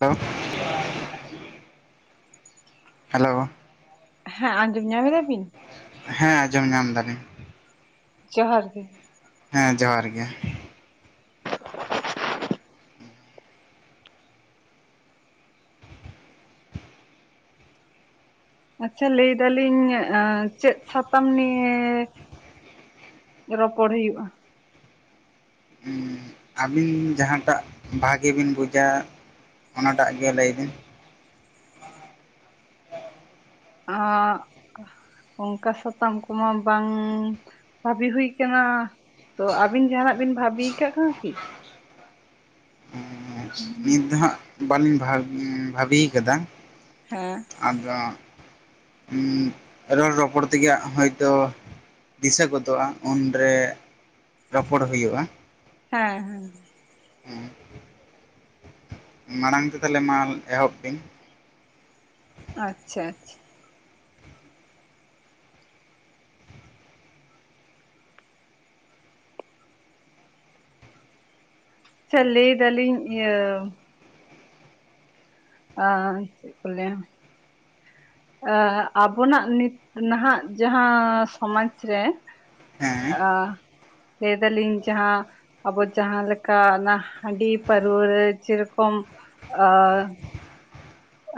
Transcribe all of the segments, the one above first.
ᱚ᱾ ᱦᱮᱞᱳ᱾ ᱦᱮᱸ ᱟᱸᱡᱚᱢ ᱧᱟᱢ ᱮᱫᱟ ᱵᱤᱱ? ᱦᱮᱸ ᱟᱸᱡᱚᱢ ᱧᱟᱢ ᱫᱟᱞᱤᱧ᱾ ᱡᱚᱦᱟᱨ ᱜᱮ᱾ ᱦᱮᱸ ᱡᱚᱦᱟᱨ ᱜᱮ᱾ ᱟᱪᱪᱷᱟ, ᱞᱟᱹᱭᱫᱟᱞᱤᱧ ᱮᱸ ᱪᱮᱫ ᱥᱟᱛᱟᱢ ᱱᱤᱭᱮ ᱨᱚᱯᱚᱲ ᱦᱩᱭᱩᱜ-ᱟ? ᱟᱹᱵᱤᱱ ᱡᱟᱦᱟᱸᱴᱟᱜ ᱵᱷᱟᱜᱮ ᱵᱤᱱ ᱵᱩᱡᱟ ᱚᱱᱟᱴᱟᱜ ᱜᱮ ᱞᱟᱹᱭ ᱵᱤᱱ᱾ ᱟᱸᱻ ᱚᱝᱠᱟ ᱥᱟᱛᱟᱢ ᱠᱚᱢᱟ ᱵᱟᱝ ᱵᱷᱟᱵᱤ ᱦᱩᱭ ᱠᱟᱱᱟ᱾ ᱛᱚ ᱟᱵᱤᱱ ᱡᱟᱸᱦᱟᱱᱟᱜ ᱵᱤᱱ ᱵᱷᱟᱵᱤ ᱟᱠᱟᱫ ᱠᱟᱱᱟ ᱠᱤ? ᱦᱩᱸ᱾ ᱱᱤᱛ ᱫᱚ ᱦᱟᱸᱜ ᱵᱟᱹᱞᱤᱧ ᱵᱷᱟᱵᱽ ᱵᱷᱟᱵᱤᱭ ᱠᱟᱫᱟ᱾ ᱦᱮᱸ᱾ ᱟᱫᱚ ᱩᱸᱻ ᱨᱚᱲ ᱨᱚᱯᱚᱲ ᱛᱮᱜᱮ ᱦᱟᱸᱜ ᱦᱳᱭᱛᱳ ᱫᱤᱥᱟᱹ ᱜᱚᱫᱚᱜ-ᱟ ᱩᱱᱨᱮ ᱨᱚᱯᱚᱲ ᱦᱩᱭᱩᱜ-ᱟ᱾ ᱦᱮᱸ ᱦᱮᱸ᱾ ᱦᱩᱸ᱾ ᱢᱟᱲᱟᱝ ᱛᱮ ᱛᱟᱦᱞᱮ ᱢᱟ ᱮᱦᱚᱵ ᱵᱤᱱ᱾ ᱟᱪᱪᱷᱟ ᱟᱪᱪᱷᱟ᱾ ᱟᱪᱪᱷᱟ ᱞᱟᱹᱭ ᱫᱟᱞᱤᱧ ᱤᱭᱟᱹ ᱟᱻ ᱪᱮᱫ ᱠᱚ ᱞᱟᱹᱭᱟ? ᱟᱵᱚᱱᱟᱜ ᱱᱤᱛ ᱱᱟᱦᱟᱜ ᱡᱟᱦᱟᱸ ᱥᱚᱢᱟᱡᱽ ᱨᱮ ᱦᱮᱸ ᱟᱻ ᱞᱟᱹᱭᱫᱟᱞᱤᱧ ᱡᱟᱦᱟᱸ ᱟᱵᱚ ᱡᱟᱦᱟᱸᱞᱮᱠᱟ ᱚᱱᱟ ᱦᱟᱺᱰᱤ ᱯᱟᱹᱨᱣᱟᱹ ᱨᱮ ᱡᱮᱨᱚᱠᱚᱢ ᱟᱻ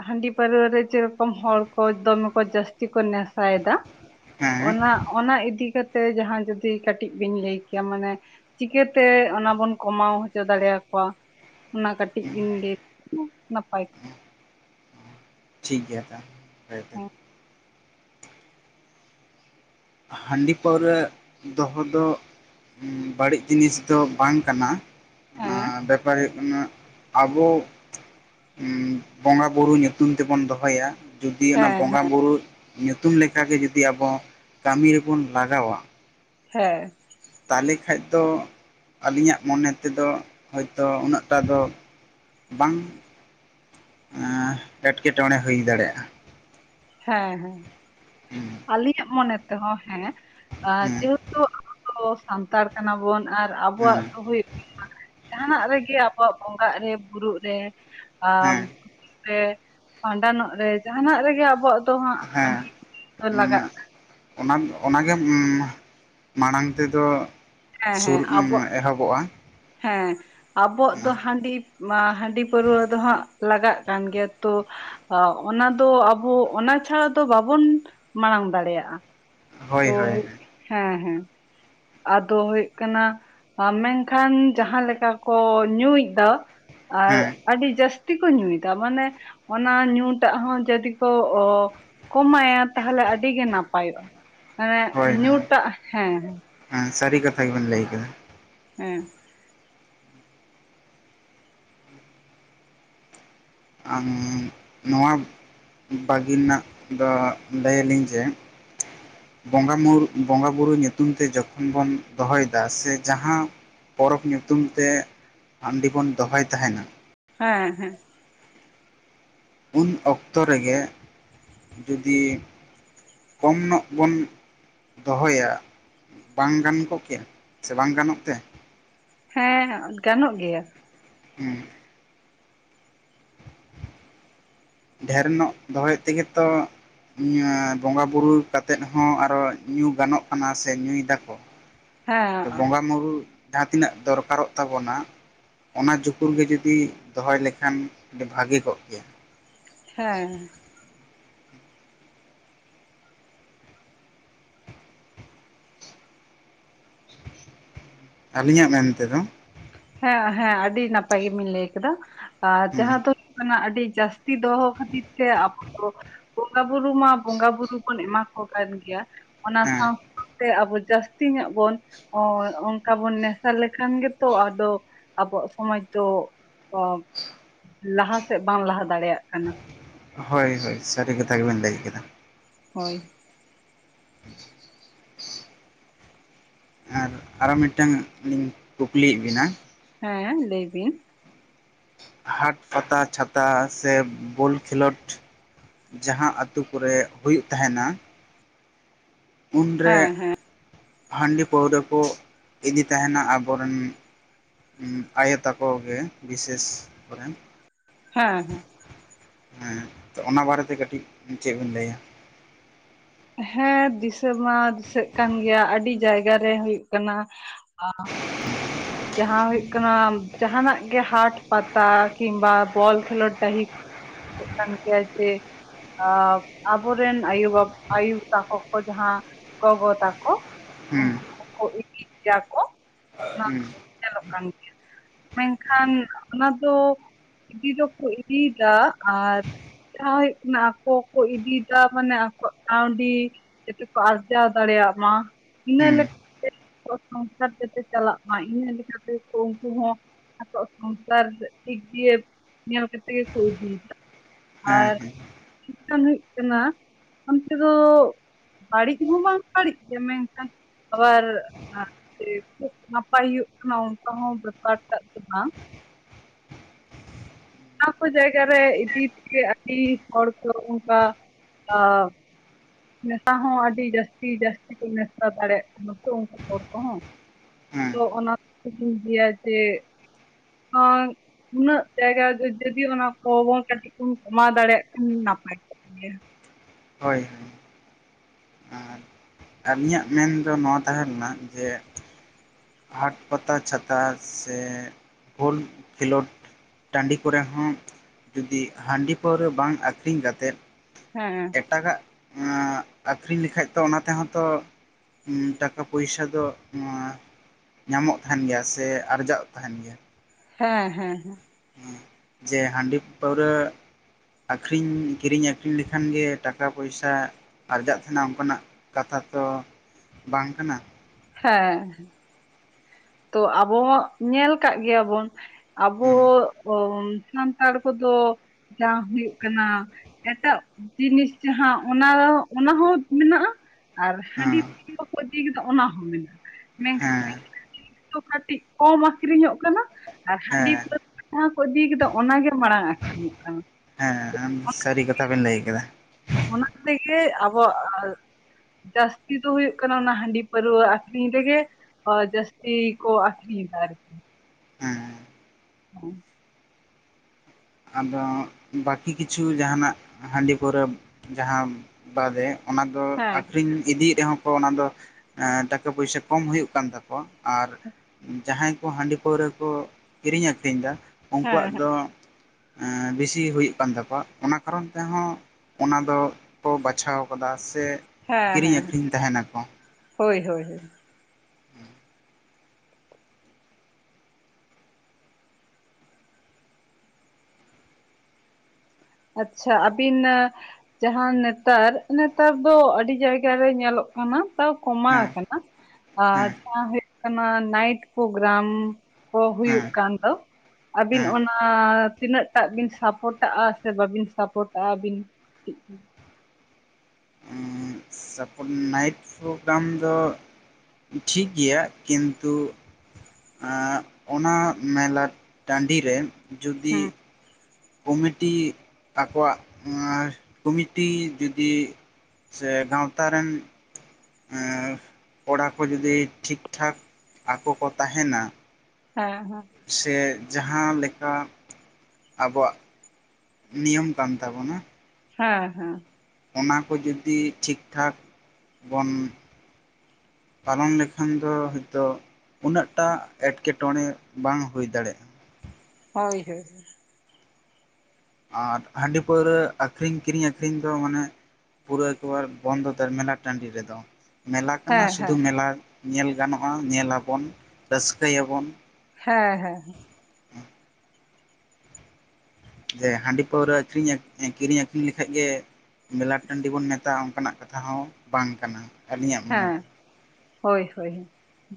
ᱦᱟᱺᱰᱤ ᱯᱟᱹᱣᱨᱟᱹ ᱨᱮ ᱡᱮᱨᱚᱠᱚᱢ ᱦᱚᱲ ᱠᱚ ᱫᱚᱢᱮ ᱠᱚ ᱡᱟᱹᱥᱛᱤ ᱠᱚ ᱱᱮᱥᱟᱭᱮᱫᱟ᱾ ᱦᱮᱸ ᱚᱱᱟ ᱚᱱᱟ ᱤᱫᱤ ᱠᱟᱛᱮᱜ ᱡᱟᱦᱟᱸ ᱡᱩᱫᱤ ᱠᱟᱹᱴᱤᱡ ᱵᱤᱱ ᱞᱟᱹᱭ ᱠᱮᱭᱟ ᱢᱟᱱᱮ ᱪᱤᱠᱟᱹᱛᱮ ᱚᱱᱟ ᱵᱚᱱ ᱠᱚᱢᱟᱣ ᱦᱚᱪᱚ ᱫᱟᱲᱮᱭᱟ ᱠᱚᱣᱟ? ᱚᱱᱟ ᱠᱟᱹᱴᱤᱡ ᱵᱤᱱ ᱞᱟᱹᱭ [inaudible] ᱱᱟᱯᱟᱭ ᱠᱚᱜ-ᱟ᱾ ᱴᱷᱤᱠ ᱜᱮᱭᱟ ᱛᱟᱦᱚᱸᱞᱮ ᱦᱮᱸ [inaudible] ᱦᱟᱺᱰᱤ ᱯᱟᱹᱣᱨᱟᱹ ᱫᱚᱦᱚ ᱫᱚ ᱦᱩᱸ ᱵᱟᱹᱲᱤᱡ ᱡᱤᱱᱤᱥ ᱫᱚ ᱵᱟᱝ ᱠᱟᱱᱟ᱾ ᱦᱮᱸ ᱟᱨ ᱵᱮᱯᱟᱨ ᱦᱩᱭᱩᱜ ᱠᱟᱱᱟ ᱟᱵᱚ ᱩ ᱵᱚᱸᱜᱟ ᱵᱩᱨᱩ ᱧᱩᱛᱩᱢ ᱛᱮᱵᱚᱱ ᱫᱚᱦᱚᱭᱟ᱾ ᱡᱩᱫᱤ ᱚᱱᱟ ᱦᱮᱸ ᱦᱮᱸ ᱵᱚᱸᱜᱟ ᱵᱩᱨᱩ ᱧᱩᱛᱩᱢ ᱞᱮᱠᱟ ᱜᱮ ᱡᱩᱫᱤ ᱟᱵᱚ ᱠᱟᱹᱢᱤ ᱨᱮᱵᱚᱱ ᱞᱟᱜᱟᱣᱟ᱾ ᱦᱮᱸ᱾ ᱛᱟᱦᱚᱸᱞᱮ ᱠᱷᱟᱡ ᱫᱚ ᱟᱹᱞᱤᱧᱟᱜ ᱢᱚᱱᱮ ᱛᱮᱫᱚ ᱦᱳᱭᱛᱚ ᱩᱱᱟᱹᱜᱴᱟᱜ ᱫᱚ ᱵᱟᱝ ᱟ ᱮᱴᱠᱮᱴᱚᱬᱮ ᱦᱩᱭ ᱫᱟᱲᱮᱭᱟᱜ-ᱟ᱾ ᱦᱮᱸ ᱦᱮᱸ ᱦᱮᱸ ᱟᱞᱤᱧᱟᱜ ᱢᱚᱱᱮ ᱛᱮᱦᱚᱸ ᱦᱮᱸ ᱟ [unintelligible] ᱦᱮᱸ ᱛᱚ ᱟᱵᱚ ᱫᱚ ᱥᱟᱱᱛᱟᱲ ᱠᱟᱱᱟ ᱵᱚᱱ ᱟᱨ ᱟᱵᱚᱣᱟᱜ ᱦᱮᱸ ᱫᱚ ᱦᱩᱭᱩᱜ [inaudible] ᱡᱟᱦᱟᱱᱟᱜ ᱨᱮᱜᱮ ᱟᱵᱚᱣᱟᱜ ᱵᱚᱸᱜᱟᱜ ᱨᱮ ᱵᱩᱨᱩᱜ ᱨᱮ ᱟ ᱦᱮᱸ [unintelligible] ᱵᱷᱟᱸᱰᱟᱱᱚᱜ ᱨᱮ ᱡᱟᱦᱟᱱᱟᱜ ᱨᱮᱜᱮ ᱟᱵᱚᱣᱟᱜ ᱫᱚ ᱦᱟᱸᱜ ᱦᱟᱺᱰᱤ ᱞᱟᱜᱟᱜ-ᱟ᱾ ᱚᱱᱟᱢ ᱚᱱᱟᱜᱮᱢ ᱢᱟᱲᱟᱝ ᱛᱮᱫᱚ᱾ ᱦᱮᱸ ᱦᱮᱸ ᱥᱩᱨ ᱟᱵᱚ ᱮᱦᱚᱵᱚᱜᱼᱟ ᱦᱮᱸ ᱟᱵᱚᱣᱟᱜ ᱫᱚ ᱦᱟᱺᱰᱤ᱾ ᱢᱟ ᱦᱟᱺᱰᱤ ᱯᱟᱹᱨᱣᱟᱹ ᱫᱚ ᱦᱟᱸᱜ ᱞᱟᱜᱟᱜ ᱠᱟᱱ ᱜᱮᱭᱟ ᱛᱚ᱾ ᱚᱱᱟ ᱫᱚ ᱟᱵᱚ ᱚᱱᱟ ᱪᱷᱟᱲᱟ ᱫᱚ ᱵᱟᱵᱚᱱ ᱢᱟᱲᱟᱝ ᱫᱟᱲᱮᱭᱟᱜ-ᱟ᱾ ᱛᱚ ᱦᱳᱭ ᱦᱳᱭ ᱦᱮᱸ ᱦᱮᱸ, ᱟᱫᱚ ᱦᱩᱭᱩᱜ ᱠᱟᱱᱟ ᱢᱮᱱᱠᱷᱟᱱ ᱡᱟᱦᱟᱸ ᱞᱮᱠᱟ ᱠᱚ ᱧᱩᱭᱫᱟ᱾ ᱟᱨ, ᱦᱮᱸ ᱟᱹᱰᱤ ᱡᱟᱹᱥᱛᱤ ᱠᱚ ᱧᱩᱭᱮᱫᱟ ᱢᱟᱱᱮ, ᱚᱱᱟ ᱧᱩᱴᱟᱜ ᱦᱚᱸ ᱡᱟᱫᱤ ᱠᱚ ᱚ ᱠᱚᱢᱟᱭᱟ ᱛᱟᱦᱚᱸᱞᱮ ᱟᱹᱰᱤ ᱜᱮ ᱱᱟᱯᱟᱭᱚᱜ-ᱟ ᱢᱟᱱᱮ ᱦᱳᱭ ᱧᱩᱴᱟᱜ ᱦᱮᱸ ᱦᱮᱸ ᱥᱟᱹᱨᱤ ᱠᱟᱛᱷᱟ ᱜᱮᱵᱮᱱ ᱞᱟᱹᱭ ᱠᱟᱫᱟ᱾ ᱦᱮᱸ, ᱟᱢ ᱱᱚᱣᱟᱢ ᱵᱟᱹᱜᱤ ᱨᱮᱱᱟᱜ ᱫᱚ ᱞᱟᱹᱭ ᱭᱟᱞᱤᱧ ᱡᱮ? ᱵᱚᱸᱜᱟ ᱢᱩᱨᱩ ᱵᱚᱸᱜᱟ ᱵᱩᱨᱩ ᱧᱩᱛᱩᱢ ᱛᱮ ᱡᱚᱠᱷᱚᱱ ᱵᱚᱱ ᱫᱚᱦᱚᱭᱫᱟ ᱥᱮ ᱡᱟᱦᱟᱸ ᱯᱚᱨᱚᱵᱽ ᱧᱩᱛᱩᱢ ᱛᱮ ᱦᱟᱺᱰᱤ ᱵᱚᱱ ᱫᱚᱦᱚᱭ ᱛᱟᱦᱮᱸᱱᱟ᱾ ᱦᱮᱸ ᱦᱮᱸ᱾ ᱩᱱ ᱚᱠᱛᱚ ᱨᱮᱜᱮ ᱡᱩᱫᱤ ᱠᱚᱢ ᱱᱚᱜ ᱵᱚᱱ, ᱫᱚᱦᱚᱭᱟ ᱵᱟᱝ ᱜᱟᱱ ᱠᱚᱜ ᱠᱮᱭᱟ ᱥᱮ ᱵᱟᱝ ᱜᱟᱱᱚᱜ ᱛᱮ᱾ ᱦᱮᱸ ᱦᱮᱸ ᱜᱟᱱᱚᱜ ᱜᱮᱭᱟ᱾ ᱦᱩᱸ᱾ ᱰᱷᱮᱨ ᱱᱚᱜ ᱫᱚᱦᱚᱭ ᱛᱮᱜᱮ ᱛᱚ᱾ ᱤᱭᱟᱸ ᱵᱚᱸᱜᱟ ᱵᱩᱨᱩ ᱠᱟᱛᱮᱫ ᱦᱚᱸ ᱟᱨᱚ ᱧᱩᱸ ᱜᱟᱱᱚᱜ ᱠᱟᱱᱟ ᱥᱮ ᱧᱩᱭ ᱫᱟᱠᱚ᱾ ᱦᱮᱸ ᱵᱚᱸᱜᱟ ᱢᱩᱨᱩ ᱡᱟᱦᱟᱸ ᱛᱤᱱᱟᱹᱜ ᱫᱚᱨᱠᱟᱨᱚᱜ ᱛᱟᱵᱚᱱᱟ᱾ ᱚᱱᱟ ᱡᱩᱠᱩᱞ ᱜᱮ ᱡᱩᱫᱤ ᱫᱚᱦᱚᱭ ᱞᱮᱠᱷᱟᱱ ᱟᱹᱰᱤ ᱵᱷᱟᱜᱮ ᱠᱚᱜ ᱠᱮᱭᱟ᱾ ᱦᱮᱸ᱾ ᱟᱹᱞᱤᱧᱟᱜ ᱢᱮᱱ ᱛᱮᱫᱚ᱾ ᱦᱮᱸ ᱦᱮᱸ ᱟᱹᱰᱤ ᱱᱟᱯᱟᱭ ᱜᱮᱵᱮᱱ ᱞᱟᱹᱭ ᱠᱮᱫᱟ ᱟᱨ ᱡᱟᱦᱟᱸ ᱦᱮᱸ ᱫᱚ ᱚᱱᱟ ᱟᱹᱰᱤ ᱡᱟᱹᱥᱛᱤ ᱫᱚᱦᱚ ᱠᱷᱟᱹᱛᱤᱨ ᱛᱮ ᱟᱵᱚ ᱫᱚ ᱵᱚᱸᱜᱟ ᱵᱩᱨᱩ ᱢᱟ ᱵᱚᱸᱜᱟ ᱵᱩᱨᱩ ᱵᱚᱱ ᱮᱢᱟ ᱠᱚ ᱠᱟᱱ ᱜᱮᱭᱟ᱾ ᱚᱱᱟ ᱦᱮᱸ ᱥᱟᱶ ᱥᱟᱶᱛᱮ ᱟᱵᱚ ᱡᱟᱹᱥ ᱛᱤ ᱧᱚᱜ ᱵᱚᱱ ᱚ ᱚᱝᱠᱟ ᱵᱚᱱ ᱱᱮᱥᱟ ᱞᱮᱠᱷᱟᱱ ᱜᱮᱛᱚ [unintelligible] ᱫᱚ ᱟᱵᱚᱣᱟᱜ ᱥᱚᱢᱟᱡᱽ ᱫᱚ ᱞᱟᱦᱟ ᱥᱮᱫ ᱵᱟᱝ ᱞᱟᱦᱟ ᱫᱟᱲᱮᱭᱟᱜ ᱠᱟᱱᱟ᱾ ᱦᱳᱭ ᱦᱳᱭ ᱥᱟᱹᱨᱤ ᱠᱟᱛᱷᱟ ᱜᱮᱵᱮᱱ ᱞᱟᱹᱭ ᱠᱮᱫᱟ᱾ ᱦᱳᱭ᱾ ᱟᱨ ᱟᱨᱚ ᱢᱤᱫᱴᱟᱝ ᱞᱤᱧ ᱠᱩᱠᱞᱤᱭᱮᱫ ᱵᱮᱱᱟ᱾ ᱦᱮᱸ ᱞᱟᱹᱭ ᱵᱤᱱ᱾ ᱦᱟᱴ ᱯᱟᱛᱟ ᱪᱷᱟᱛᱟ ᱥᱮ ᱵᱳᱞ ᱠᱷᱤᱞᱚᱰ ᱡᱟᱦᱟᱸ ᱟᱛᱩ ᱠᱚᱨᱮ ᱦᱩᱭᱩᱜ ᱛᱟᱦᱮᱱᱟ ᱩᱱ ᱨᱮ ᱦᱮᱸ ᱦᱮᱸ ᱦᱟᱺᱰᱤ ᱯᱟᱹᱣᱨᱟᱹ ᱠᱚ ᱤᱫᱤ ᱛᱟᱦᱮᱱᱟ ᱟᱵᱚᱨᱮᱱ ᱩᱸ ᱟᱭᱚ ᱛᱟᱠᱚ ᱜᱮ ᱵᱤᱥᱮᱥ ᱠᱚᱨᱮᱱ᱾ ᱦᱮᱸ ᱦᱮᱸ᱾ ᱦᱮᱸ ᱛᱚ ᱚᱱᱟ ᱵᱟᱨᱮ ᱛᱮ ᱠᱟᱹᱴᱤᱡ ᱪᱮᱫ ᱵᱤᱱ ᱞᱟᱹᱭᱟ᱾ ᱦᱮᱸ ᱫᱤᱥᱟᱹ ᱢᱟ ᱫᱤᱥᱟᱹᱜ ᱠᱟᱱ ᱜᱮᱭᱟ ᱟᱹᱰᱤ ᱡᱟᱭᱜᱟ ᱨᱮ ᱦᱩᱭᱩᱜ ᱠᱟᱱᱟ᱾ ᱚ᱾ ᱡᱟᱦᱟᱸᱳᱜ ᱠᱟᱱᱟ ᱡᱟᱦᱟᱸᱟᱸᱟᱱᱟᱜ ᱜᱮ ᱦᱟᱴ ᱯᱟᱛᱟ ᱠᱤᱢᱵᱟ ᱵᱚᱞ ᱠᱷᱮᱞᱳᱰ ᱰᱟᱹᱦᱤ ᱦᱩᱭᱩᱜᱠᱟᱱ ᱜᱮᱭᱟ ᱡᱮ ᱟᱵ ᱟᱵᱚᱨᱮᱱ ᱟᱭᱩᱵᱟᱵ ᱟᱭᱳ ᱛᱟᱠᱚ ᱠᱚ ᱡᱟᱦᱟᱸ ᱜᱚᱜᱚ ᱛᱟᱠᱚ ᱦᱩᱸ ᱩᱱᱠᱩ ᱤᱫᱤᱭᱮᱫ ᱜᱮᱭᱟ ᱠᱚ᱾ ᱦᱩᱸ ᱧᱮᱞᱚᱜ ᱠᱟᱱ ᱜᱮᱭᱟ᱾ ᱢᱮᱱᱠᱷᱟᱱ ᱚᱱᱟ ᱫᱚ ᱤᱫᱤ ᱫᱚᱠᱚ ᱤᱫᱤᱭᱮᱫᱟ ᱟᱨ ᱡᱟᱦᱟᱸ ᱦᱩᱭᱩᱜ ᱠᱟᱱᱟ ᱟᱠᱚ ᱠᱚ ᱤᱫᱤᱭᱮᱫᱟ ᱢᱟᱱᱮ ᱟᱠᱚᱣᱟᱜ ᱠᱟᱹᱣᱰᱤ ᱡᱟᱛᱮ ᱠᱚ ᱟᱨᱡᱟᱣ ᱫᱟᱲᱮᱭᱟᱜ ᱢᱟ᱾ ᱤᱱᱟᱹ ᱦᱩᱸ ᱞᱮᱠᱟᱛᱮ ᱟᱠᱚᱣᱟᱜ ᱥᱚᱝᱥᱟᱨ ᱡᱟᱛᱮ ᱪᱟᱞᱟᱜ ᱢᱟ᱾ ᱤᱱᱟᱹᱞᱮᱠᱟᱛᱮ ᱠᱚ ᱩᱱᱠᱩ ᱦᱚᱸ ᱟᱠᱚᱣᱟᱜ ᱥᱚᱝᱥᱟᱨ ᱫᱤᱠ ᱫᱤᱭᱮ ᱧᱮᱞ ᱠᱟᱛᱮ ᱜᱮᱠᱚ ᱤᱫᱤᱭᱮᱫᱟ᱾ ᱦᱮᱸ ᱟᱨ ᱦᱮᱸ᱾ [unintelligible] ᱦᱩᱭᱩᱜ ᱠᱟᱱᱟ ᱚᱱᱛᱮ ᱫᱚ ᱵᱟᱹᱲᱤᱡ ᱦᱚᱸ ᱵᱟᱝ ᱵᱟᱹᱲᱤᱡ ᱜᱮᱭᱟ ᱢᱮᱱᱠᱷᱟᱱ ᱟᱵᱟᱨ [unintelligible] ᱯᱟᱭ ᱦᱩᱭᱩᱜ ᱠᱟᱠᱟ ᱚᱱᱠᱟ ᱦᱚᱸ ᱵᱮᱯᱟᱨᱴᱥᱜ ᱫᱚ ᱵᱟᱝ᱾ ᱚᱱᱟ ᱠᱚ ᱡᱟᱭᱜᱟ ᱨᱮ ᱤᱫᱤ ᱛᱮᱜᱮ ᱟᱹᱰᱤ ᱦᱚᱲ ᱠᱚ ᱚᱱᱠᱟ ᱟ ᱢᱮᱥᱟ ᱦᱚᱸ ᱟᱹᱰᱤ ᱡᱟᱹᱥᱛᱤ ᱡᱟᱹᱥᱛᱤ ᱠᱚ ᱢᱮᱥᱟ ᱫᱟᱲᱮᱭᱟᱜ ᱠᱟᱱᱟ ᱱᱠᱩ ᱩᱱᱠᱩ ᱦᱚᱲ ᱠᱚᱦᱚᱸ᱾ ᱦᱮᱸ ᱛᱚ ᱚᱱᱟᱤᱧ ᱟᱹᱭᱟ ᱡᱮ ᱦᱟᱸ ᱩᱱᱟᱹᱜ ᱡᱟᱭᱜᱟ ᱫᱚ ᱡᱩᱚᱫᱤ ᱚᱱᱟ ᱠᱚᱦᱚᱵᱚᱱ ᱠᱟᱹᱴᱤᱡ ᱵᱚᱱ ᱠᱚᱢᱟᱣ ᱫᱟᱲᱮᱭᱟᱜ ᱠᱷᱟᱱ ᱱᱟᱯᱟᱭ ᱠᱚᱜ ᱜᱮᱭᱟ ᱦᱳᱭ ᱦᱳᱭ᱾ ᱟᱨ ᱦᱮᱸ᱾ ᱟᱹᱞᱤᱧᱟᱜ ᱢᱮᱱ ᱫᱚ ᱱᱚᱣᱟ ᱛᱟᱦᱮᱸ ᱞᱮᱱᱟ ᱡᱮ ᱦᱟᱴ ᱯᱟᱛᱟ ᱪᱷᱟᱛᱟ ᱥᱮ ᱵᱷᱳᱞ ᱠᱷᱮᱞᱳᱰ ᱴᱟᱺᱰᱤ ᱠᱚᱨᱮ ᱦᱚᱸ ᱡᱩᱫᱤ ᱦᱟᱺᱰᱤ ᱯᱟᱹᱣᱨᱟᱹ ᱵᱟᱝ ᱟᱠᱷᱨᱤᱧ ᱠᱟᱛᱮᱫ ᱦᱮᱸ ᱮᱴᱟᱜᱟᱜ ᱟᱸᱜ ᱟᱠᱷᱨᱤᱧ ᱞᱮᱠᱷᱟᱡ ᱛᱚ ᱚᱱᱟ ᱛᱮᱦᱚᱸ ᱛᱚ ᱩᱸ ᱴᱟᱠᱟ ᱯᱚᱭᱥᱟ ᱫᱚ ᱱᱚᱣᱟ ᱧᱟᱢᱚᱜ ᱛᱟᱦᱮᱱ ᱜᱮᱭᱟ ᱥᱮ ᱟᱨᱡᱟᱜᱚᱜ ᱛᱟᱦᱮᱱ ᱜᱮᱭᱟ᱾ ᱦᱮᱸ ᱦᱮᱸ ᱦᱮᱸ᱾ ᱦᱮᱸ ᱡᱮ ᱦᱟᱺᱰᱤ ᱯᱟᱹᱣᱨᱟᱹ ᱟᱹᱠᱷᱨᱤᱧ ᱠᱤᱨᱤᱧ ᱟᱹᱠᱷᱨᱤᱧ ᱞᱮᱠᱷᱟᱱ ᱜᱮ ᱴᱟᱠᱟ ᱯᱚᱭᱥᱟ᱾ ᱟᱨᱡᱟᱜ ᱛᱟᱦᱮᱹᱱᱟ ᱚᱱᱠᱟᱱᱟᱜ ᱠᱟᱛᱷᱟ ᱛᱚ ᱵᱟᱝ ᱠᱟᱱᱟ᱾ ᱦᱮᱸ, ᱛᱚ ᱟᱵᱚ ᱦᱚᱸ ᱧᱮᱞ ᱠᱟᱜ ᱜᱮᱭᱟᱵᱚᱱ ᱟᱵᱚ ᱦᱮᱸ ᱦᱚ ᱚ ᱥᱟᱱᱛᱟᱲ ᱠᱚᱫᱚ ᱡᱟᱝ ᱦᱩᱭᱩᱜ ᱠᱟᱱᱟ᱾ ᱮᱴᱟᱜ ᱡᱤᱱᱤᱥ ᱡᱟᱦᱟᱸ ᱚᱱᱟ ᱚᱱᱟ ᱦᱚᱸ ᱢᱮᱱᱟᱜ-ᱟ᱾ ᱟᱨ ᱦᱟᱺᱰᱤ ᱦᱮᱸ ᱯᱟᱹᱣᱨᱟᱹ ᱠᱚ ᱤᱫᱤ ᱠᱟᱫᱟ ᱚᱱᱟ ᱦᱚᱸ ᱢᱮᱱᱟᱜ-ᱟ ᱢᱮᱱᱠᱷᱟᱱ ᱦᱮᱸ [unintelligible] ᱠᱟᱹᱴᱤᱡ ᱠᱚᱢ ᱟᱹᱠᱷᱨᱤᱧᱚᱜ ᱠᱟᱱᱟ᱾ ᱟᱨ ᱦᱟᱺᱰᱤ ᱦᱮᱸ ᱯᱟᱹᱣᱨᱟᱹ ᱡᱟᱦᱟᱸ ᱠᱚ ᱤᱫᱤ ᱠᱮᱫᱟ ᱚᱱᱟᱜ ᱜᱮ ᱢᱟᱲᱟᱝ ᱟᱹᱠᱷᱨᱤᱧᱚᱜ ᱠᱟᱱᱟ᱾ ᱥᱟᱹᱨᱤ ᱠᱟᱛᱷᱟ ᱵᱮᱱ ᱞᱟᱹᱭ ᱠᱟᱫᱟ᱾ ᱚᱱᱟ ᱛᱮᱜᱮ ᱟᱵᱚ ᱟᱨ ᱡᱟᱹᱥᱛᱤ ᱫᱚ ᱦᱩᱭᱩᱜ ᱠᱟᱱᱟ ᱚᱱᱟ ᱦᱟᱺᱰᱤ ᱯᱟᱹᱨᱣᱟᱹ ᱟᱹᱠᱷᱨᱤᱧ ᱨᱮᱜᱮ᱾ ᱚ ᱡᱟᱹᱥᱛᱤ ᱠᱚ ᱟᱹᱠᱷᱨᱤᱧ ᱮᱫᱟ ᱟᱨᱠᱤ᱾ ᱦᱮᱸ ᱦᱩᱸ, ᱟᱫᱚ ᱵᱟᱠᱤ ᱠᱤᱪᱷᱩ ᱡᱟᱦᱟᱸᱱᱟᱜ ᱦᱟᱺᱰᱤ ᱯᱟᱹᱣᱨᱟᱹ ᱡᱟᱦᱟᱸ ᱵᱟᱫᱮ ᱚᱱᱟ ᱫᱚ ᱦᱮᱸ ᱟᱹᱠᱷᱨᱤᱧ ᱤᱫᱤ ᱨᱮᱦᱚᱸ ᱚᱱᱟ ᱫᱚ ᱟ ᱴᱟᱠᱟ ᱯᱩᱭᱥᱟᱹ ᱠᱚᱢ ᱦᱩᱭᱩᱜ ᱠᱟᱱ ᱛᱟᱠᱚᱣᱟ ᱟᱨ ᱡᱟᱦᱟᱸᱭ ᱠᱚ ᱦᱟᱺᱰᱤ ᱯᱟᱹᱣᱨᱟᱹ ᱠᱚ ᱠᱤᱨᱤᱧ ᱟᱹᱠᱷᱨᱤᱧ ᱫᱟ ᱩᱱᱠᱩᱣᱟᱜ ᱦᱮᱸ ᱫᱚ ᱮ ᱵᱮᱥᱤ ᱦᱩᱭᱩᱜ ᱠᱟᱱ ᱛᱟᱠᱚᱣᱟ ᱚᱱᱟ ᱠᱟᱨᱚᱱ ᱛᱮᱦᱚᱸ ᱚᱱᱟ ᱫᱚ ᱠᱚ ᱵᱟᱪᱷᱟᱣ ᱠᱟᱫᱟ ᱥᱮ ᱦᱮᱸ ᱠᱤᱨᱤᱧ ᱦᱮᱸ, ᱟᱹᱠᱷᱨᱤᱧ ᱛᱟᱦᱮᱱᱟᱠᱚ ᱦᱳᱭ ᱦᱳᱭ ᱦᱳᱭ᱾ [inaudible] ᱟᱪᱪᱷᱟ ᱟᱹᱵᱤᱱ ᱡᱟᱦᱟᱸ ᱱᱮᱛᱟᱨ ᱱᱮᱛᱟᱨ ᱫᱚ ᱟᱹᱰᱤ ᱡᱟᱭᱜᱟ ᱨᱮ ᱧᱮᱞᱚᱜ ᱠᱟᱱᱟ, ᱛᱟᱣ ᱠᱚᱢᱟᱣ ᱦᱮᱸ ᱟᱠᱟᱱᱟ᱾ ᱟᱨ ᱦᱮᱸ ᱡᱟᱦᱟᱸ ᱦᱩᱭᱩᱜ ᱠᱟᱱᱟ ᱱᱟᱭᱤᱴ ᱯᱳᱜᱨᱟᱢ, ᱠᱚ ᱦᱩᱭᱩᱜ ᱦᱮᱸ ᱠᱟᱱ ᱫᱚ᱾ ᱟᱹᱵᱤᱱ ᱦᱮᱸ ᱚᱱᱟ ᱛᱤᱱᱟᱹᱜ ᱴᱟᱜ ᱵᱤᱱ ᱥᱟᱯᱚᱴᱟᱜ-ᱟ? ᱥᱮ ᱵᱟᱵᱤᱱ ᱥᱟᱯᱚᱴᱟᱜ-ᱟ ᱟᱹᱵᱤᱱ ᱴᱤᱡ ᱥᱟᱯᱚᱴ ᱱᱟᱭᱤᱴ ᱯᱨᱳᱜᱨᱟᱢ ᱫᱚ ᱴᱷᱤᱠ ᱜᱮᱭᱟ ᱠᱤᱱᱛᱩ ᱟᱻ ᱚᱱᱟ ᱢᱮᱞᱟ ᱴᱟᱺᱰᱤ ᱨᱮ ᱡᱩᱫᱤ ᱦᱮᱸ ᱠᱩᱢᱤᱴᱤ ᱟᱠᱚᱣᱟᱜ ᱱᱚᱣᱟ ᱠᱩᱢᱤᱴᱤ ᱡᱩᱫᱤ ᱥᱮ ᱜᱟᱶᱛᱟ ᱨᱮᱱ ᱟᱨ ᱠᱚᱲᱟ ᱠᱚ ᱡᱩᱫᱤ, ᱴᱷᱤᱠ ᱴᱷᱟᱠ ᱟᱠᱚ ᱠᱚ ᱛᱟᱦᱮᱸᱱᱟ᱾ ᱦᱮᱸ ᱦᱮᱸ, ᱥᱮ ᱡᱟᱦᱟᱸ ᱞᱮᱠᱟ ᱟᱵᱚᱣᱟᱜ ᱱᱤᱭᱚᱢ ᱠᱟᱱ ᱛᱟᱵᱚᱱᱟ ᱾ ᱦᱮᱸ ᱦᱮᱸ᱾ ᱚᱱᱟ ᱠᱚ ᱡᱩᱫᱤ ᱴᱷᱤᱠ ᱴᱷᱟᱠ ᱵᱚᱱ ᱯᱟᱞᱚᱱ ᱞᱮᱠᱷᱟᱱ ᱫᱚ ᱦᱳᱭ ᱛᱚ᱾ ᱩᱱᱟᱹᱜ ᱴᱟᱜ, ᱮᱴᱠᱮᱴᱚᱬᱮ, ᱵᱟᱝ ᱦᱩᱭ ᱫᱟᱲᱮᱭᱟᱜ-ᱟ᱾ ᱦᱳᱭ ᱦᱳᱭ᱾ ᱟᱨ ᱦᱟᱺᱰᱤ ᱯᱟᱹᱣᱨᱟᱹ ᱟᱹᱠᱷᱨᱤᱧ ᱠᱤᱨᱤᱧ ᱟᱹᱠᱷᱨᱤᱧ ᱫᱚ ᱢᱟᱱᱮ ᱯᱩᱨᱟᱹ ᱮᱠᱵᱟᱨ ᱵᱚᱱᱫᱚ ᱩᱛᱟᱹᱨ ᱢᱮᱞᱟ ᱴᱟᱺᱰᱤ ᱨᱮ ᱫᱚ᱾ ᱢᱮᱞᱟ ᱠᱟᱱᱟ, ᱦᱮᱸ ᱦᱮᱸ ᱥᱩᱫᱷᱩ ᱢᱮᱞᱟ ᱧᱮᱞ ᱜᱟᱱᱚᱜ-ᱟ ᱧᱮᱞᱟᱵᱚᱱ ᱨᱟᱹᱥᱠᱟᱹᱭᱟ ᱵᱚᱱ᱾ ᱦᱮᱸ ᱦᱮᱸ᱾ ᱡᱮ ᱦᱟᱺᱰᱤ ᱯᱟᱹᱣᱨᱟᱹ ᱟᱠᱤᱨᱤᱧ ᱠᱤᱨᱤᱧ ᱟᱠᱷᱨᱤᱧ ᱞᱮᱠᱷᱟᱡ ᱜᱮ᱾ ᱢᱮᱞᱟ ᱴᱟᱺᱰᱤ ᱵᱚᱱ ᱢᱮᱛᱟᱜᱼᱟ ᱚᱱᱠᱟᱱᱟᱜ ᱠᱟᱛᱷᱟ ᱦᱚᱸ ᱵᱟᱝ ᱠᱟᱱᱟ᱾ ᱟᱹᱞᱤᱧᱟᱜ ᱦᱮᱸ ᱢᱚᱱᱮᱛᱮ ᱦᱳᱭ ᱦᱳᱭ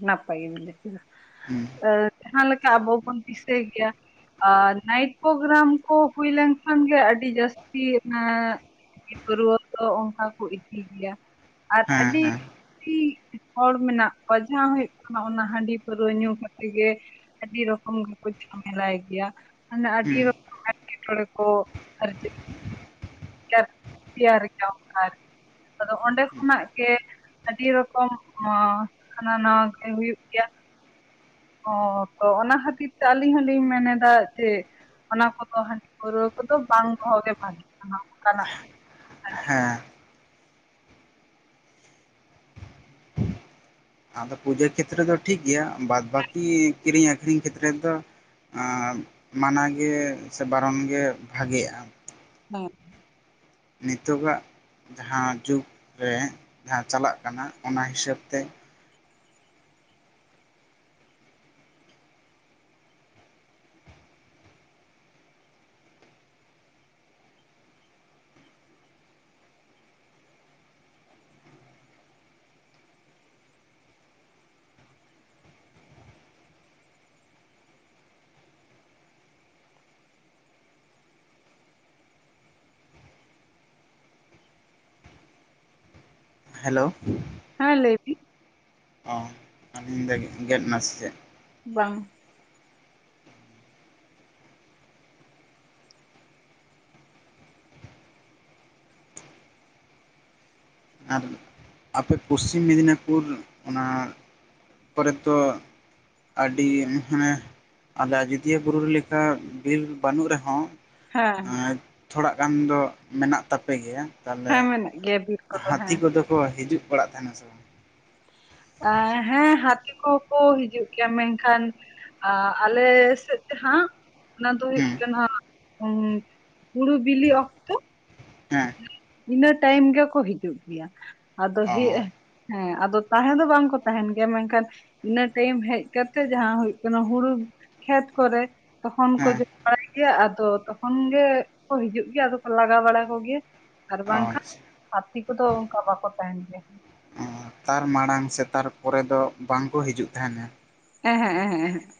ᱱᱟᱯᱟᱭ ᱜᱮ ᱵᱚᱞᱮ [unintelligible] ᱦᱩᱸ᱾ ᱮᱸ ᱡᱟᱦᱟᱸ ᱞᱮᱠᱟ ᱟᱵᱚ ᱵᱚᱱ ᱫᱤᱥᱟᱹᱭ ᱜᱮᱭᱟ. ᱾ ᱟᱨ ᱱᱟᱭᱤᱴ ᱯᱳᱜᱨᱟᱢ ᱠᱚ ᱦᱩᱭ ᱞᱮᱱᱠᱷᱟᱱ ᱜᱮ ᱟᱹᱰᱤ ᱡᱟᱹᱥᱛᱤ ᱮᱸᱻ ᱯᱟᱹᱨᱣᱟᱹ ᱫᱚ ᱚᱱᱠᱟ ᱠᱚ ᱤᱫᱤ ᱜᱮᱭᱟ ᱟᱨ ᱦᱮᱸ ᱟᱹᱰᱤ ᱦᱮᱸ ᱟᱰᱤ ᱦᱚᱲ ᱢᱮᱱᱟᱜ ᱠᱚᱣᱟ ᱡᱟᱦᱟᱸ ᱦᱩᱭᱩᱜ ᱠᱟᱱᱟ ᱚᱱᱟ ᱦᱟᱺᱰᱤ ᱯᱟᱨᱹᱨᱟᱹ ᱧᱩ ᱠᱟᱛᱮ ᱜᱮ ᱟᱹᱰᱤ ᱨᱚᱠᱚᱢ ᱜᱮᱠᱚ ᱡᱷᱟᱢᱮᱞᱟᱭ ᱜᱮᱭᱟ ᱢᱟᱱᱮ ᱟᱹᱰᱤ ᱦᱩᱸ ᱨᱚᱠ ᱮᱴᱠᱮᱴᱚᱬᱮ ᱠᱚ ᱟᱨ ᱪᱮᱫ [unintelligible] ᱟᱫᱚ ᱚᱸᱰᱮ ᱠᱷᱚᱱᱟᱜ ᱜᱮ ᱟᱹᱰᱤ ᱨᱚᱠᱚᱢ ᱦᱚᱸ ᱦᱟᱱᱟ ᱱᱟᱣᱟ ᱠᱟᱢᱤ ᱦᱩᱭᱩᱜ ᱜᱮᱭᱟ᱾ ᱦᱚᱸ ᱛᱚ ᱚᱱᱟ ᱠᱷᱟᱹᱛᱤᱨ ᱛᱮ ᱟᱹᱞᱤᱧ ᱦᱚᱞᱤᱧ ᱢᱮᱱᱮᱫᱟ ᱡᱮ ᱚᱱᱟ ᱠᱚᱫᱚ ᱦᱟᱺᱰᱤ ᱯᱟᱹᱨᱣᱟᱹ ᱠᱚᱫᱚ ᱵᱟᱝ ᱫᱚᱦᱚᱜ ᱜᱮ ᱵᱷᱟᱜᱤ ᱠᱟᱱᱟ ᱚᱱᱠᱟᱱᱟᱜ᱾ ᱦᱟᱺᱰᱤ ᱦᱮᱸ᱾ ᱟᱫᱚ ᱯᱩᱡᱟᱹ ᱠᱷᱮᱛᱨᱚ ᱫᱚ ᱴᱷᱤᱠ ᱜᱮᱭᱟ ᱵᱟᱫᱽ ᱵᱟᱹᱠᱤ ᱠᱤᱨᱤᱧ ᱟᱠᱷᱨᱤᱧ ᱠᱷᱮᱛᱨᱚ ᱨᱮ ᱫᱚ ᱟᱸ ᱢᱟᱱᱟ ᱜᱮ ᱥᱮ ᱵᱟᱨᱚᱱ ᱜᱮ ᱵᱷᱟᱜᱤᱜᱼᱟ᱾ ᱦᱮᱸ᱾ ᱱᱤᱛᱚᱜᱽᱟᱜ ᱡᱟᱦᱟᱸ ᱡᱩᱜᱽ ᱨᱮ ᱡᱟᱦᱟᱸ ᱪᱟᱞᱟᱜ ᱠᱟᱱᱟ ᱚᱱᱟ ᱦᱤᱥᱟᱹᱯ ᱛᱮ᱾ ᱦᱮᱞᱳ, ᱦᱮᱸ ᱞᱟᱹᱭ ᱵᱤ᱾ ᱚ ᱟᱹᱞᱤᱧ ᱫᱟ ᱜᱮᱫ ᱱᱟ ᱥᱮ ᱪᱮᱫ᱾ ᱵᱟᱝ᱾ ᱟᱨ ᱟᱯᱮ ᱯᱚᱥᱤᱢ ᱢᱮᱫᱽᱱᱮᱯᱩᱨ ᱚᱱᱟ ᱠᱚᱨᱮ ᱛᱚ ᱟᱹᱰᱤ ᱦᱟᱸᱱᱮ ᱟᱫᱚ ᱟᱡᱚᱫᱤᱭᱟᱹ ᱵᱩᱨᱩ ᱞᱮᱠᱟ ᱵᱤᱨ ᱵᱟᱹᱱᱩᱜ ᱨᱮᱦᱚᱸ᱾ ᱦᱮᱸ᱾ ᱛᱷᱚᱲᱟ ᱜᱟᱱ ᱫᱚ ᱢᱮᱱᱟᱜ ᱛᱟᱯᱮᱜ ᱜᱮᱭᱟ ᱛᱟᱦᱚᱞᱮ ᱜᱮᱵᱤᱨ᱾ ᱦᱟᱹᱛᱤ ᱠᱚᱫᱚ ᱠᱚ ᱦᱤᱡᱩᱜ ᱵᱟᱲᱟᱜ ᱛᱟᱦᱮᱱᱟ ᱥᱮ ᱵᱟᱝ? ᱦᱮᱸ ᱦᱟᱹᱛᱤ ᱠᱚᱦᱚᱸ ᱠᱚ ᱦᱤᱡᱩᱜ ᱜᱮᱭᱟ ᱢᱮᱱᱠᱷᱟᱱ ᱟᱻ ᱟᱞᱮ ᱥᱮᱫ ᱡᱟᱸᱦᱟ ᱚᱱᱟ ᱫᱚ ᱦᱩᱭᱩᱜ ᱦᱮᱸ ᱠᱟᱱᱟ ᱦᱩᱲᱩ ᱵᱤᱞᱤ ᱚᱠᱛᱚ᱾ ᱦᱮᱸ ᱤᱱᱟᱹ ᱴᱟᱭᱤᱢ ᱜᱮᱠᱚ ᱦᱤᱡᱩᱜ ᱜᱮᱭᱟ, ᱟᱫᱚ ᱦ ᱚ ᱦᱮᱸ ᱟᱫᱚ ᱛᱟᱦᱮᱸ ᱫᱚ ᱵᱟᱝ ᱠᱚ ᱛᱟᱦᱮᱱ ᱜᱮᱭᱟ ᱢᱮᱱᱠᱷᱟᱱ ᱤᱱᱟᱹ ᱴᱟᱭᱤᱢ ᱦᱮᱡ ᱠᱟᱛᱮᱜ ᱡᱟᱦᱟᱸ ᱦᱩᱭᱩᱜ ᱠᱟᱱᱟ ᱦᱩᱲᱩ ᱠᱷᱮᱛ ᱠᱚᱨᱮ᱾ ᱛᱚᱠᱷᱚᱱ ᱠᱚ ᱦᱮᱸ ᱡᱚᱢ ᱵᱟᱲᱟᱭ ᱜᱮᱭᱟ ᱟᱫᱚ ᱛᱚᱠᱷᱚᱱ ᱜᱮᱠᱚ ᱦᱤᱡᱩᱜ ᱜᱮᱭᱟ ᱟᱫᱚ ᱠᱚ ᱞᱟᱜᱟᱣ ᱵᱟᱲᱟ ᱠᱚᱜᱮᱭᱟ᱾ ᱟᱨ ᱚ ᱵᱟᱝᱠᱷᱟᱱ ᱟᱪᱪᱷᱟ ᱦᱟᱹᱛᱤ ᱠᱚᱫᱚ ᱚᱱᱠᱟ ᱵᱟᱠᱚ ᱛᱟᱦᱮᱱ ᱜᱮᱭᱟ᱾ ᱚ ᱛᱟᱨ ᱢᱟᱲᱟᱝ ᱥᱮ ᱛᱟᱨᱯᱚᱨᱮ ᱫᱚ ᱵᱟᱝᱠᱚ ᱦᱤᱡᱩᱜ ᱛᱟᱦᱮᱱᱟ? ᱮᱦᱮᱸ ᱮᱦᱮᱸ ᱮᱦᱮᱸ ᱾